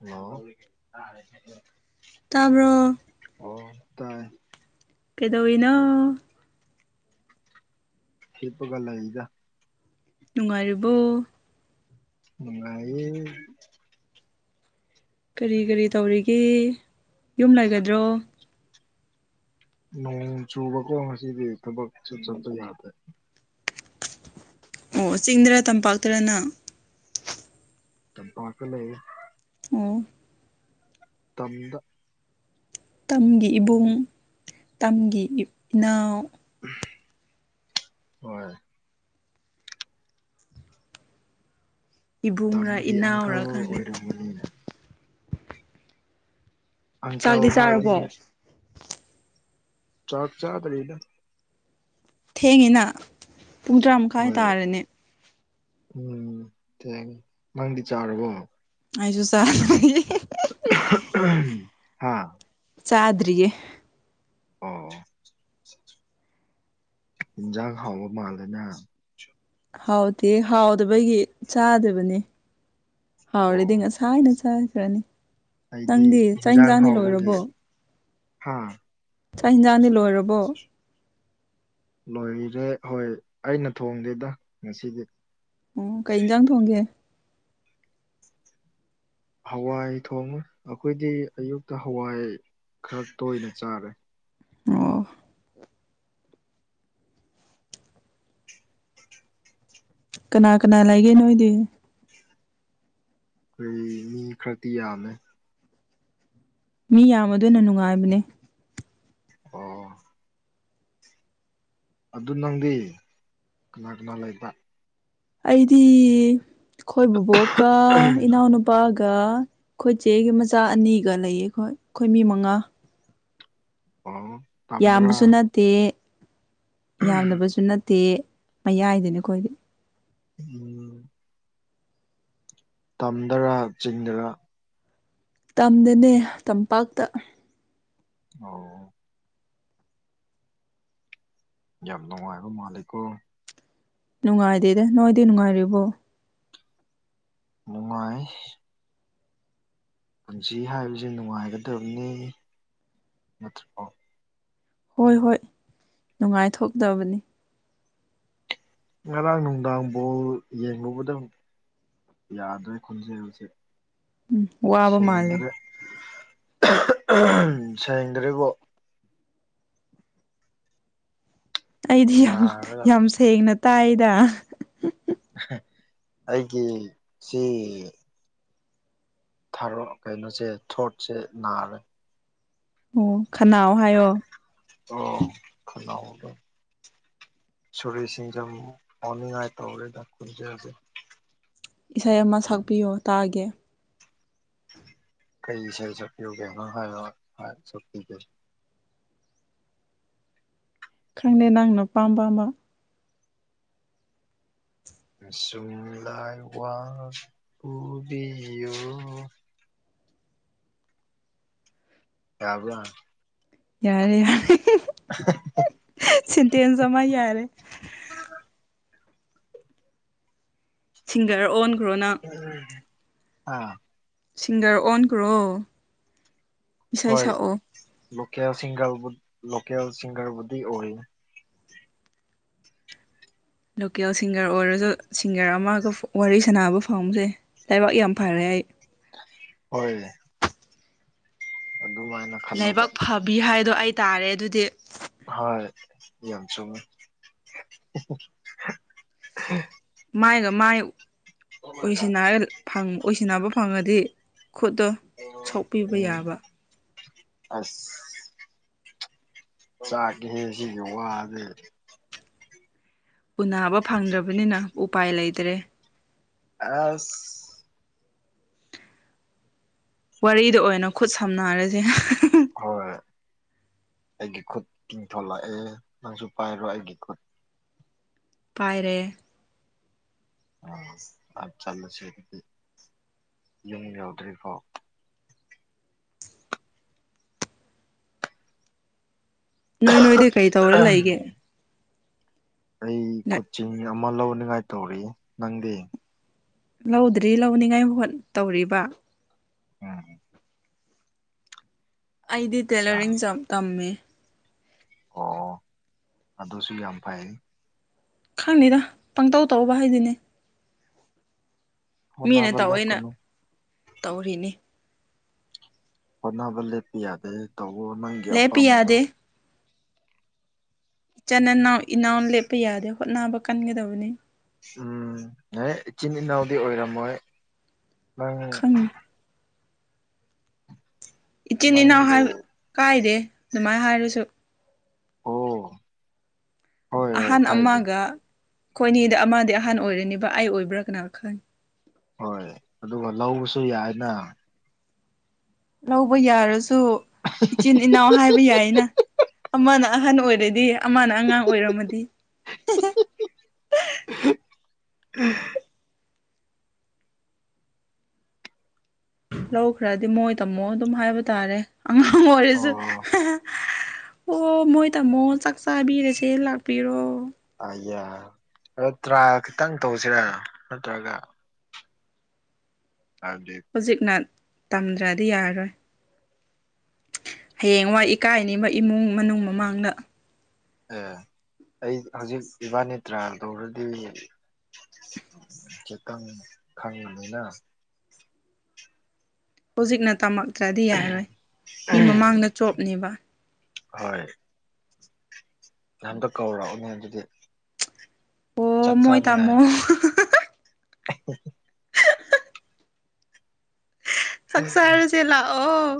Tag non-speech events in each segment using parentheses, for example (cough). hello ꯇꯥꯕ꯭ꯔꯣ (inaudible) ꯑꯣ ꯇꯥꯏ ꯀꯩꯗꯧꯏꯅꯣ ꯍꯄꯒ ꯂ ꯏꯖ ꯅꯨꯡꯉꯥꯏꯔꯤꯕꯣ ꯅꯨꯡꯉꯥꯏ ꯀꯔꯤ ꯀꯔꯤ ꯇꯧꯔꯤꯒꯦ ꯌꯨꯝ ꯂꯩꯒꯗ꯭ꯔꯣ ꯅꯣꯡ ꯆꯨꯕꯀꯣ ꯉꯁꯤꯗꯤ ꯊꯕꯛ ꯆꯠꯄ ꯌꯥꯗ꯭ꯔꯦ ꯑꯣ ꯆꯤꯡꯗꯔꯥ ꯇꯝꯄꯥꯛꯇꯔ ꯅꯪ (unintelligible) ꯑꯣ ꯇꯝꯗ ꯇꯝꯒꯤ ꯏꯕꯨꯡ ꯇꯝꯒꯤ ꯏꯅꯥꯎ (unintelligible) ꯍꯣꯏ ꯏꯕꯨꯡꯔꯥ ꯇꯝꯒꯤ ꯑꯪꯀꯜ ꯏꯅꯥꯎꯔꯥ ꯈꯪꯗꯦ ꯑꯣꯏꯔꯝꯒꯅꯤꯅꯦ ꯑꯪꯀꯜ ꯆꯥꯛꯇꯤ ꯆꯥꯔꯕꯣ ꯍꯥꯏꯗꯤꯅꯦ ꯆꯥꯛ ꯆꯥ ꯇꯔꯤꯗ ꯊꯦꯡꯉꯤꯅ ꯄꯨꯡ ꯇꯔꯥ ꯃꯈꯥꯏ ꯍꯣꯏ ꯇꯥꯔꯅꯦ ꯎꯝ ꯊꯦꯡ ꯅꯪꯗꯤ ꯆꯥꯔꯕꯣ ꯑꯩꯁꯨ (unintelligible) ꯍꯥꯥ ꯆꯥꯗ꯭ꯔꯤꯌꯦ ꯑꯣ ꯍꯤꯟꯖꯥꯡ ꯍꯥꯎꯕ ꯃꯥꯜꯂꯦꯅ ꯍꯥꯎꯇꯦ ꯍꯥꯎꯗꯕꯒꯤ ꯆꯥꯗꯕꯅꯤ ꯍꯥꯎꯔꯗꯤ ꯑꯣ ꯉꯁ ꯊꯥꯏꯅ ꯆꯈ꯭ꯔꯅꯤ ꯑꯩꯗꯤ ꯅꯪꯗꯤ ꯆꯥꯛ ꯏꯟꯁꯥꯡꯗꯤ ꯂꯣꯏꯔꯕꯣ ꯍꯥꯥ ꯆꯥꯛ ꯍꯤꯟꯖꯥꯡꯗꯤ ꯂꯣꯏꯔꯕꯣ ꯂꯣꯏꯔꯦ ꯍꯣꯏ ꯑꯩꯅ ꯊꯣꯡꯗꯦꯗ ꯉꯁꯤꯗꯤ ꯑꯣ ꯀꯩ ꯏꯟꯖꯥꯡ ꯊꯣꯡꯒꯦ ꯍꯋꯥꯏ ꯊꯣꯡꯉ ꯑꯩꯈꯣꯏꯗꯤ ꯑꯌꯨꯛꯇ ꯍꯋꯥꯏ ꯈꯔ ꯇꯣꯏꯅ ꯆꯥꯔꯦ ꯑꯣ ꯀꯅꯥ ꯀꯅꯥ ꯂꯥꯏꯒꯦ ꯅꯣꯏꯗꯤ ꯑꯩꯈꯣꯏ ꯃꯤ ꯈꯔꯗꯤ ꯌꯥꯝꯃꯦ ꯃꯤ ꯌꯥꯝꯃ ꯑꯗꯨꯅ ꯅꯨꯡꯉꯥꯏꯕꯅꯦ ꯑꯣ ꯑꯗꯨ ꯅꯪꯗꯤ ꯀꯅꯥ ꯀꯅꯥ ꯂꯩꯕ ꯑꯩꯗꯤ ꯈꯣꯏ ꯕꯣꯛꯀ ꯏꯅꯥꯎꯅꯨ ꯅꯨꯄꯥꯒ ꯑꯩꯈꯣꯏꯆꯦꯒꯤ ꯃꯆꯥ ꯑꯅꯤꯒ ꯂꯩꯌꯦ ꯑꯩꯈꯣꯏ ꯑꯩꯈꯣꯏ ꯃꯤ ꯃꯉꯥ ꯑ ꯌꯥꯝꯕꯁꯨ ꯅꯠꯇꯦ ꯌꯥꯝꯗꯕꯁꯨ ꯅꯠꯇꯦ ꯃꯌꯥꯏꯗꯨꯅꯤ ꯈꯣꯏꯗꯤ (unintelligible) ꯇꯝꯗꯔꯥ ꯆꯤꯡꯗꯔ ꯇꯝꯗꯅꯦ ꯇꯝꯄꯥꯛꯇ ꯑꯣ ꯌꯥꯝ ꯅꯨꯡꯉꯥꯏꯕ ꯃꯥꯜꯂꯤꯀꯣ ꯅꯨꯡꯉꯥꯏꯗꯦꯗ ꯅꯣꯏꯗꯤ ꯅꯨꯡꯉꯥꯏꯔꯤꯕꯣ ꯅꯨꯡꯉꯥꯏ ꯄꯨꯟꯁꯤ ꯍꯥꯏꯕꯁꯦ ꯅꯨꯡꯉꯥꯏꯒꯗꯕꯅꯤ (unintelligible) ꯍꯣꯏ ꯍꯣꯏ ꯅꯨꯡꯉꯥꯏꯊꯣꯛꯇꯕꯅꯤ ꯉꯔꯥꯡ ꯅꯨꯡꯗꯥꯡꯐꯥꯎ ꯌꯦꯡꯂꯨꯕꯗꯪ ꯌꯥꯗꯥꯔꯦ ꯈꯨꯟꯖꯥꯜꯁꯦ ꯋꯥꯕ ꯃꯥꯜꯂꯦ ꯁꯦꯡꯗ꯭ꯔꯦ ꯎ ꯁꯦꯡꯗ꯭ꯔꯦꯀꯣ ꯑꯩꯗꯤ ꯌꯥꯝ ꯅꯥꯔꯒ ꯌꯥꯝ ꯁꯦꯡꯅ ꯇꯥꯏꯗ ꯑꯩꯒꯤ ꯁꯤ ꯊꯔ ꯀꯩꯅꯣꯁꯦ ꯊꯣꯔꯠꯁꯦ ꯅꯥꯔꯦ ꯑꯣ ꯈꯅꯥꯑꯣ ꯍꯥꯏꯌꯣ ꯑꯣ ꯈꯅꯥꯎꯗꯦ ꯁꯣꯔꯤ ꯁꯦꯟꯖꯝ ꯑꯣꯟꯅꯤꯉꯥꯏ ꯇꯧꯔꯦꯗ ꯈꯣꯟꯖꯦꯜꯁꯦ ꯏꯁꯩ ꯑꯃ ꯁꯛꯄꯤꯌꯣ ꯇꯥꯒꯦ ꯀꯩ ꯏꯁꯩ ꯁꯛꯄꯤꯌꯨꯒꯦ ꯅꯩ ꯍꯥꯏ ꯁꯥꯛꯄꯤꯒꯦ ꯈꯪꯗꯦ ꯅꯪꯅ ꯄꯥꯝꯕ ꯑꯃ ꯁꯨꯝꯂꯥꯏ ꯋꯥ ꯄꯨꯕꯤꯌꯣ ꯌꯥꯕ ꯌꯥꯔꯦ ꯌꯥꯔꯦ (unintelligible) (unintelligible) ꯆꯤꯟꯇꯦꯟꯖꯃꯥꯏ ꯌꯥꯔꯦ ꯁꯤꯡꯒꯔ ꯑꯣꯟꯈ꯭ꯔꯣꯅꯪ ꯍꯥ ꯁꯤꯡꯒꯔ ꯑꯣꯟꯈ꯭ꯔꯣ ꯏꯁꯩ ꯍꯣꯏ ꯁꯛꯑꯣ ꯂꯣꯀꯦꯜ ꯁꯤꯡꯒꯔꯕꯨ ꯂꯣꯀꯦꯜ ꯁꯤꯡꯒꯔꯕꯨꯗꯤ ꯑꯣꯏ ꯂꯣꯀꯦꯜ ꯁꯤꯡꯒꯔ ꯑꯣꯏꯔꯁꯨ ꯁꯤꯡꯒꯔ ꯑꯃꯒ ꯋꯥꯔꯤ ꯁꯥꯟꯅꯕ ꯐꯥꯎꯖꯩ ꯂꯩꯕꯥꯛ ꯌꯥꯝ ꯐꯔꯦ ꯑꯩ ꯍꯣꯏ ꯑꯗꯨ ꯋꯥꯏꯅ ꯂꯥꯏꯕꯛ ꯐꯕꯤ ꯍꯥꯏꯗꯣ ꯑꯩ ꯇꯥꯔꯦ ꯑꯗꯨꯗꯤ ꯍꯣꯏ ꯌꯥꯝ ꯆꯨꯝꯃꯤ ꯃꯥꯏꯒ ꯃꯥꯏ ꯎꯏꯁꯤꯟꯅꯥꯏ ꯐꯪ ꯎꯏꯁꯤꯟꯅꯕ ꯐꯪꯉꯗꯤ ꯈꯨꯠꯇꯣ ꯁꯣꯛꯄꯤꯕ ꯎꯝ ꯌꯥꯕ ꯑꯁ ꯆꯥꯛꯀꯦ ꯁꯤꯁꯨ ꯋꯥꯗꯦ ꯎꯅꯥꯕ ꯐꯪꯗ꯭ꯔꯕꯅꯤꯅ ꯎꯄꯥꯏ ꯂꯩꯇꯔꯦ ꯑꯁ ꯋꯥꯔꯤꯗ ꯑꯣꯏꯅ ꯈꯨꯠ ꯁꯝꯅꯔꯁꯦ ꯍꯣꯏ ꯑꯩꯒꯤ ꯈꯨꯠ ꯇꯤꯡꯊꯣꯂꯛꯑꯦ ꯅꯪꯁꯨ ꯄꯥꯏꯔꯣ ꯑꯩꯒꯤ ꯈꯨꯠ ꯄꯥꯏꯔꯦ (unintelligible) ꯆꯠꯂꯁꯤ ꯑꯗꯨꯗꯤ ꯌꯨꯝ ꯌꯧꯗ꯭ꯔꯤꯐꯥꯎ ꯅꯣꯏ ꯅꯣꯏꯗꯤ ꯀꯩ ꯇꯧꯔ ꯂꯩꯒꯦ ꯑꯩ ꯀꯣꯆꯤꯡ ꯑꯃ ꯂꯧꯅꯤꯡꯉꯥꯏ ꯇꯧꯔꯤ ꯅꯪꯗꯤ ꯂꯧꯗ꯭ꯔꯤ ꯂꯧꯅꯤꯡꯉꯥꯏ ꯍꯣꯠ ꯇꯧꯔꯤꯕ ꯎꯝ ꯑꯩꯗꯤ ꯑꯆꯥ ꯇꯦꯂꯔꯤꯡ ꯇꯝꯃꯦ ꯑꯣ ꯑꯗꯨꯁꯨ ꯌꯥꯝ ꯐꯩ ꯈꯪꯅꯤꯗ ꯄꯪꯇꯧ ꯇꯧꯕ ꯍꯥꯏꯗꯨꯅꯦ ꯃꯤꯅ ꯍꯣꯠꯅꯕ ꯇꯧꯏꯅ ꯂꯦꯞꯀꯅꯨ ꯇꯧꯔꯤꯅꯤ ꯍꯣꯠꯅꯕ ꯂꯦꯞꯄ ꯌꯥꯗꯦ ꯇꯧꯕ ꯅꯪꯒꯤ ꯂꯦꯞꯄ ꯑꯄꯥꯝꯕꯗꯣ ꯌꯥꯗꯦ ꯆꯅꯅꯥꯎ ꯏꯅꯥꯎ ꯂꯦꯞꯄ ꯌꯥꯗꯦ ꯍꯣꯠꯅꯕ ꯀꯟꯒꯗꯕꯅꯤ ꯎꯝ ꯍꯩ ꯏꯆꯤꯟ ꯏꯅꯥꯎꯗꯤ ꯑꯣꯏꯔꯝꯃꯣꯏ ꯅꯪ (unintelligible) ꯏꯆꯤꯟ ꯏꯅꯥꯎ ꯅꯪꯕꯨ ꯍꯥꯏꯕ ꯀꯥꯏꯗꯦ ꯑꯗꯨꯃꯥꯏ ꯍꯥꯏꯔꯁꯨ ꯑꯣ ꯍꯣꯏ ꯍꯣꯏ ꯑꯍꯥꯟ ꯀꯥꯏꯗꯦ ꯑꯃꯒ ꯑꯩꯣꯏꯅꯤꯗ ꯑꯃꯗꯤ ꯑꯍꯟ ꯑꯣꯏꯔꯅꯤꯕ ꯑꯩ ꯑꯣꯏꯕ꯭ꯔꯥ ꯀꯅꯥ ꯈꯜꯂꯤ ꯍꯣꯏ ꯑꯗꯨꯒ ꯂꯧꯕꯁꯨ ꯌꯥꯏꯅ ꯂꯧꯕ ꯌꯥꯔꯁꯨ ꯏꯆꯤꯟ ꯏꯅꯥꯎ ꯍꯥꯏꯕ ꯌꯥꯏꯅ ꯑꯃꯅ ꯑꯍꯟ ꯑꯣꯏꯔꯗꯤ ꯑꯃꯅ ꯑꯉꯥꯡ ꯑꯣꯏꯔꯝꯃꯗꯤ ꯎ ꯂꯧꯈ꯭ꯔꯗꯤ ꯃꯣꯏ ꯇꯝꯃꯣ ꯑꯗꯨꯝ ꯍꯥꯏꯕ ꯇꯥꯔꯦ ꯑꯉꯥꯡ ꯃꯔꯤꯁꯨ ꯑꯣ ꯑꯣ ꯃꯣꯏ ꯇꯥꯃꯣ ꯆꯥꯛ ꯆꯥꯕꯤꯔꯁꯦ ꯂꯥꯛꯄꯤꯔꯣ ꯑ ꯌꯥꯏ ꯑꯗꯣ ꯇ꯭ꯔꯥ ꯈꯤꯇꯪ ꯇꯧꯁꯤꯔ ꯅꯠꯇ꯭ꯔꯒ ꯑꯗꯨꯗꯤ ꯍꯧꯖꯤꯛꯅ ꯇꯝꯗ꯭ꯔꯗꯤ ꯌꯥꯔꯔꯣꯏ ꯍꯌꯦꯡꯋꯥꯏ ꯏꯀꯥꯏꯅꯤꯡꯕ ꯏꯃꯨꯡ ꯃꯅꯨꯡ ꯃꯃꯥꯡꯗ ꯑꯦ ꯑꯩ ꯍꯧꯖꯤꯛ ꯏꯕꯥꯅꯤꯇ꯭ꯔꯥ ꯇꯧꯔꯗꯤ ꯆꯦꯇꯪ ꯈꯪꯉꯦꯅꯤꯅ ꯍꯧꯖꯤꯛꯅ ꯇꯝꯃꯛꯇ꯭ꯔꯗꯤ ꯌꯥꯔꯣꯏ ꯃꯤ ꯃꯃꯥꯡꯗ ꯆꯣꯞꯅꯦꯕ ꯍꯣꯏ ꯌꯥꯝꯟꯇ ꯀꯧꯔꯛꯑꯅꯦ ꯑꯗꯨꯗꯤ ꯑꯣ ꯆꯥꯛ ꯃꯣꯏ ꯇꯥꯃꯣ ꯆꯥꯅꯤꯡꯉꯥꯏ ꯆꯛꯆꯥꯔꯁꯤꯂꯥ ꯑꯣ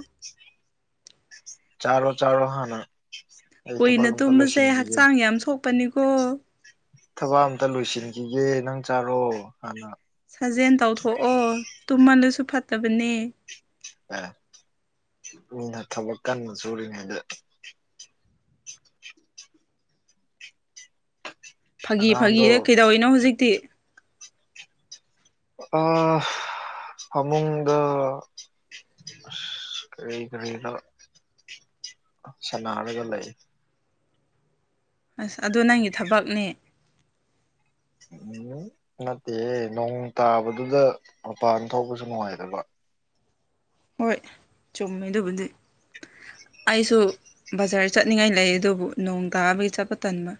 ꯆꯔꯣ ꯆꯔꯣ ꯍꯅ ꯀꯨꯏꯅ ꯇꯨꯝꯕꯁꯦ ꯍꯛꯆꯥꯡ ꯌꯥꯝ ꯁꯣꯛꯄꯅꯤꯀꯣ ꯊꯕꯛ ꯑꯝꯇ ꯂꯣꯏꯁꯤꯟꯈꯤꯒꯦ ꯅꯪ ꯆꯥꯔꯣ ꯍꯥꯟꯅ ꯁꯥꯖꯦꯜ ꯇꯧꯊꯣꯛꯑꯣ ꯇꯨꯝꯍꯜꯂꯁꯨ ꯐꯠꯇꯕꯅꯦ ꯑꯦ ꯃꯤꯅ ꯊꯕꯛ ꯀꯟꯕ ꯁꯨꯔꯤꯉꯩꯗ ꯐꯥꯒꯤ ꯐꯥꯒꯤ ꯑꯉꯥꯡꯗꯣ ꯀꯩꯗꯧꯅꯣ ꯍꯧꯖꯤꯛꯇꯤ ꯑ ꯐꯃꯨꯡꯗ ꯑ ꯀꯔꯤ ꯀꯔꯤꯒ ꯁꯅꯔꯒ ꯂꯩ ꯑꯁ ꯑꯗꯣ ꯅꯪꯒꯤ ꯊꯕꯛꯅꯦ ꯎꯝ ꯅꯠꯇꯦ ꯅꯣꯡ ꯇꯥꯕꯗꯨꯗ ꯃꯄꯥꯟ ꯊꯣꯛꯄꯁꯨ ꯅꯨꯡꯉꯥꯏꯗꯕ ꯍꯣꯏ ꯆꯨꯝꯃꯦ ꯑꯗꯨꯕꯨꯗꯤ ꯑꯩꯁꯨ ꯕꯖꯥꯔ ꯆꯠꯅꯤꯡꯉꯥꯏ ꯂꯩ ꯑꯗꯨꯕꯨ ꯅꯣꯡ ꯀꯥꯕꯒꯤ ꯆꯠꯄ ꯇꯟꯕ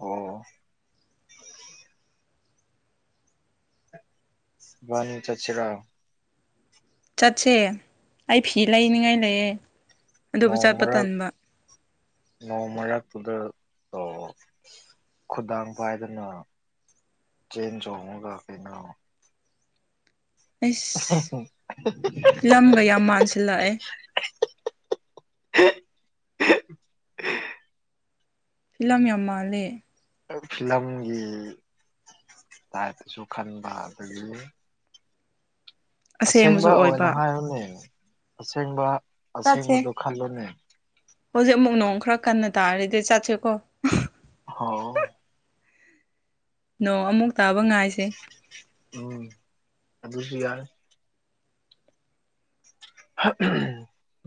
ꯑꯣ ꯋꯥꯅꯤ ꯆꯆꯔꯥ ꯆꯠꯁꯦ ꯑꯩ ꯐꯤ ꯂꯩꯅꯤꯉꯥꯏ ꯂꯩꯑꯦ ꯃꯣꯡ ꯃꯔꯔ ꯅꯣꯡ ꯃꯔꯛꯇꯨꯗ ꯈꯨꯗꯥꯡ ꯄꯥꯏꯗꯅ ꯆꯦꯟꯖ ꯍꯒ ꯀꯩꯅꯩꯅ ꯑꯩꯁ ꯐꯤꯂꯝꯒ ꯌꯥꯝ ꯃꯥꯟꯁꯤꯜꯂꯛꯑꯦ ꯐꯤꯂꯝ ꯌꯥꯝ ꯃꯥꯜꯂꯦ ꯐꯤꯂꯝꯒꯤ ꯇꯥꯏꯞꯇꯁꯨ ꯈꯟꯕ ꯑꯗꯒꯤ ꯑꯁꯦꯡꯕ ꯑꯁꯦꯡꯕꯁꯨ ꯑꯣꯏꯅ ꯑꯣꯏꯕ ꯍꯥꯏꯔꯨꯅꯦ ꯑꯁꯦꯡꯕ ꯆꯠꯁꯦ ꯑꯁꯦꯡꯕꯗꯣ ꯈꯜꯂꯨꯅꯦ ꯍꯧꯖꯤꯛ ꯑꯃꯨꯛ ꯅꯣꯡ ꯈꯔ ꯀꯟꯅ ꯇꯥꯔꯗꯤ ꯆꯠꯁꯤꯀꯣ ꯍꯥꯎ ꯅꯣꯡ ꯑꯃꯨꯛ ꯇꯥꯕ ꯉꯥꯏꯁꯦ ꯎꯝ ꯑꯗꯨ ꯑꯗꯨꯁꯨ ꯌꯥꯔ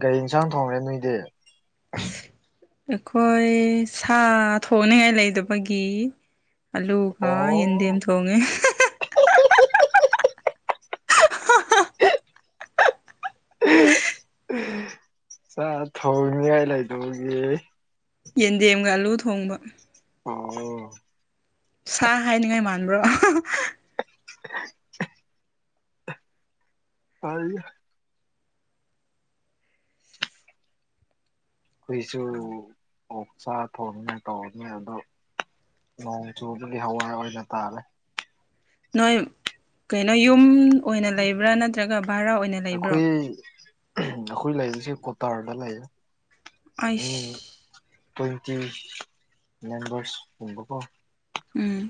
ꯒꯥꯔꯤ ꯌꯦꯟꯁꯥꯡ ꯊꯣꯡꯈꯦ ꯅꯣꯏꯗꯤ ꯑꯩꯈꯣꯏ ꯁꯥ ꯊꯅꯤꯡꯉꯥꯏ ꯂꯩꯗꯕꯒꯤ ꯑꯂꯨꯒ ꯌꯦꯟꯗꯦꯝ ꯑꯣ ꯊꯣꯡꯉꯦ (unintelligible) (unintelligible) ꯆ ꯊꯣꯡꯅꯤꯡꯉꯥꯏ ꯂꯩꯇꯕꯒꯤ ꯌꯦꯟꯗꯦꯝꯒ ꯑꯂꯨ ꯊꯣꯡꯕ ꯑꯣ ꯁꯥ ꯍꯥꯏꯅꯤꯡꯉꯥꯏ ꯃꯥꯟꯕ꯭ꯔꯣ (unintelligible) ꯑꯩꯈꯣꯏꯁꯨ ꯑꯣꯛ ꯆꯥ ꯊꯣꯡꯅ ꯇꯧꯔꯅꯤ ꯑꯗꯣ ꯅꯣꯡ ꯆꯨꯕꯒꯤ ꯍꯋꯥꯏ ꯑꯣꯏꯅ ꯇꯥꯔꯦ ꯅꯣꯏ ꯀꯩꯅꯣ ꯌꯨꯝ ꯑꯣꯏꯅ ꯂꯩꯕ꯭ꯔꯥ ꯅꯠꯇ꯭ꯔꯒ ꯚꯔꯥ ꯑꯣꯏꯅ ꯂꯩꯕ꯭ꯔꯣ ꯑ꯭ꯎꯝ ꯑꯩꯈꯣꯏ ꯂꯩꯔꯤꯁꯦ ꯀꯣꯇꯥꯔꯗ ꯂꯩꯌꯦ ꯃꯤ ꯑꯩꯁ ꯇ꯭ꯋꯦꯟꯇꯤ ꯃꯦꯝꯕꯔꯁ ꯀꯨꯝꯕꯀꯣ ꯎꯝ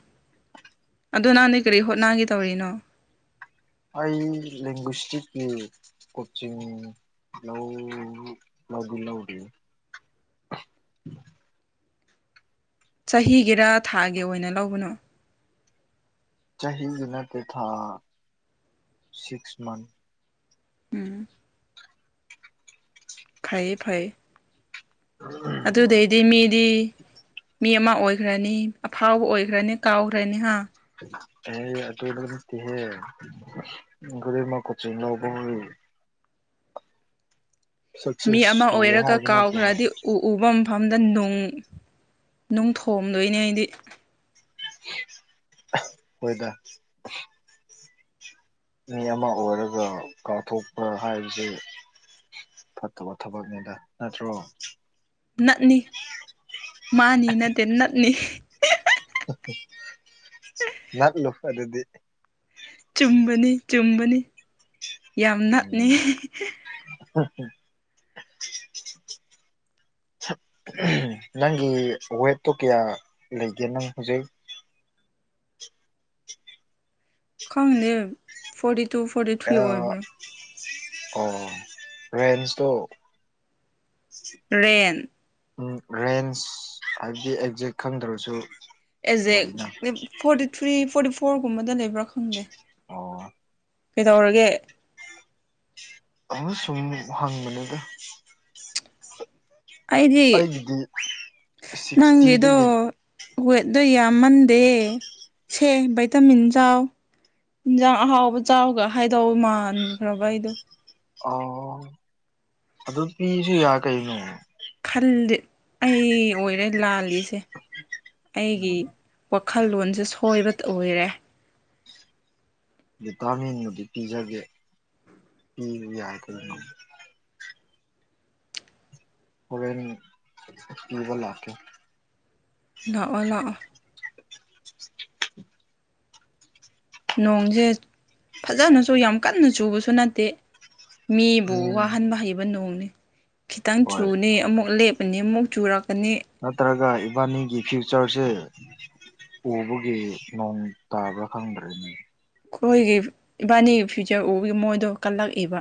ꯑꯗꯨ ꯅꯍꯥꯟꯗꯩꯪ ꯀꯔꯤ ꯍꯣꯠꯅꯥꯒꯦ ꯇꯧꯔꯤꯅꯣ ꯑꯩ ꯂꯤꯡꯒꯨꯁꯇꯤꯛꯀꯤ ꯀꯣꯆꯤꯡ ꯂꯧ ꯂꯧꯗꯤ ꯂꯧꯗꯔꯤ ꯆꯍꯤꯒꯤꯔ ꯊꯥꯒꯤ ꯑꯣꯏꯅ ꯂꯧꯕꯅꯣ ꯆꯍꯤꯒꯤ ꯅꯠꯇꯦ ꯊꯥ ꯁꯤꯛꯁ ꯃꯟꯊ ꯎꯝ ꯐꯩꯌꯦ ꯐꯩꯌꯦ (unintelligible) ꯑꯗꯨꯗꯩꯗꯤ ꯃꯤꯗꯤ ꯃꯤ ꯑꯃ ꯑꯣꯏꯈ꯭ꯔꯅꯤ ꯑꯐꯥꯎꯕ ꯑꯣꯏꯈ꯭ꯔꯅꯤ ꯀꯥꯎꯒ꯭ꯔꯅꯤ ꯍꯥ ꯍꯦ ꯑꯗꯨꯗꯣ ꯅꯠꯇꯦꯍꯦ (unintelligible) ꯃꯤ ꯁꯛꯁꯦꯁ ꯑꯃ ꯇꯧꯋꯦ ꯑꯣꯏꯔꯒ ꯍꯥꯏꯕ ꯅꯠꯇꯦꯅꯦ ꯀꯥꯎꯈ꯭ꯔꯗꯤ ꯎ ꯎꯕ ꯃꯐꯝꯗ ꯅꯨꯡ ꯅꯨꯡ ꯊꯣꯝꯗꯣꯏꯅꯦ ꯑꯩꯗꯤ ꯍꯣꯏꯗ ꯃꯤ ꯑꯃ ꯑꯣꯏꯔꯒ ꯀꯥꯎꯊꯣꯛꯄ ꯍꯥꯏꯕꯁꯤ ꯐꯠꯇꯕ ꯊꯕꯛꯅꯤꯗ ꯅꯠꯇ꯭ꯔꯣ ꯅꯠꯅꯤ ꯃꯥꯅꯤ ꯅꯠꯇꯦ ꯅꯠꯅꯤ (unintelligible) ꯂꯥꯛꯂꯨ ꯑꯗꯨꯗꯤ ꯆꯨꯝꯕꯅꯤ ꯆꯨꯝꯕꯅꯤ ꯌꯥꯝ ꯅꯥꯛꯅꯤ ꯎꯝ (unintelligible) (unintelligible) ꯅꯪꯒꯤ ꯋꯦꯠꯇꯣ ꯀꯌꯥ ꯂꯩꯒꯦ ꯅꯪ ꯍꯧꯖꯤꯛ ꯈꯪꯗꯦ ꯐꯣꯔꯇꯤ ꯇꯨ ꯐꯣꯔꯇꯤ ꯊ꯭ꯔꯤ ꯑꯣꯏꯕ꯭ꯔꯥ ꯑꯣ ꯔꯦꯟꯖ ꯇꯣ ꯔꯦꯟ ꯎꯝ ꯔꯦꯟꯁ ꯍꯥꯏꯕꯗꯤ ꯑꯦꯛꯖꯦꯛ ꯈꯪꯗ꯭ꯔꯁꯨ ꯑꯦꯖꯦꯛ ꯂꯩꯅ ꯐꯣꯔꯇꯤ ꯊ꯭ꯔꯤ ꯐꯣꯔꯇꯤ ꯐꯣꯔꯒꯨꯝꯕꯗ ꯂꯩꯕ꯭ꯔꯥ ꯈꯪꯗꯦ ꯑꯣ ꯀꯩꯗꯧꯔꯒꯦ ꯑꯃ ꯁꯨꯝ ꯍꯪꯕꯅꯤꯗ ꯑꯩꯗꯤ ꯑꯩꯒꯤꯗꯤ ꯅꯪꯒꯤꯗꯣ ꯁꯤꯛꯁꯇꯤꯗꯒꯤ ꯋꯦꯠꯇꯗꯣ ꯌꯥꯝꯃꯟꯗꯦ ꯁꯦ ꯚꯩꯇꯥꯃꯤꯟ ꯆꯥꯎ ꯍꯤꯟꯖꯥꯡ ꯑꯍꯥꯎꯕ ꯆꯥꯎꯒ ꯍꯥꯏꯗꯧ ꯃꯥꯟꯈ꯭ꯔꯕ ꯑꯩꯗꯣ ꯑꯣ ꯑꯗꯨ ꯄꯤꯁꯨ ꯌꯥ ꯀꯩꯅꯣ ꯍꯜꯗꯤ ꯑꯩ ꯑꯣꯏꯔꯦ ꯂꯥꯜꯂꯤꯁꯦ ꯑꯩꯒꯤ ꯎꯝ ꯋꯥꯈꯜꯂꯣꯟꯁꯦ ꯁꯣꯏꯕꯇ ꯑꯣꯏꯔꯦ ꯚꯤꯇꯥꯃꯤꯟꯕꯨꯗꯤ ꯄꯤꯖꯒꯦ ꯄꯤꯕ ꯌꯥꯏ ꯀꯔꯤꯅꯣ ꯍꯣꯔꯦꯟ ꯄꯤꯕ ꯂꯥꯛꯀꯦ ꯂꯥꯛꯑꯣ ꯂꯥꯛꯑꯣ (unintelligible) ꯅꯣꯡꯁꯦ ꯐꯖꯅꯁꯨ ꯌꯥꯝ ꯀꯟꯅ ꯆꯨꯕꯁꯨ ꯅꯠꯇꯦ ꯃꯤꯕꯨ ꯎꯝ ꯋꯥꯍꯟꯕ ꯍꯩꯕ ꯅꯣꯡꯅꯦ ꯈꯤꯇꯪ ꯍꯣꯏ ꯆꯨꯅꯤ ꯑꯃꯨꯛ ꯂꯦꯞ__ ꯄꯅꯤ ꯑꯃꯨꯛ ꯆꯨꯔꯛꯀꯅꯤ ꯅꯠꯇ꯭ꯔꯒ ꯏꯕꯥꯅꯤꯒꯤ ꯐ꯭ꯌꯨꯆꯔꯁꯦ ꯎꯕꯒꯤ ꯅꯣꯡ ꯇꯥꯕ꯭ꯔꯥ ꯈꯪꯗ꯭ꯔꯦꯅꯦ ꯑꯩꯈꯣꯏꯒꯤ ꯏꯕꯥꯅꯤꯒꯤ ꯐ꯭ꯌꯨꯆꯔ ꯎꯕꯒꯤ ꯃꯣꯏꯗꯣ ꯀꯜꯂꯛꯏꯕ